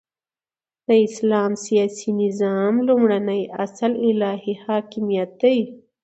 د اسلام سیاسی نظام لومړنی اصل الهی حاکمیت دی،